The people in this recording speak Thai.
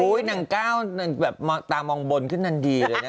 อุ้ยหนังเก้าหนังแบบตามองบนขึ้นหน่านดีเลยน่ะ